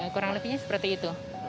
kurang lebihnya seperti itu